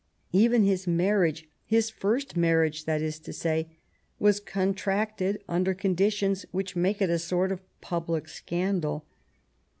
Even his marriage — his first marriage, that is to say — was contracted under conditions which made it a sort of public scandal.